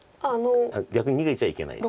逆に逃げちゃいけない。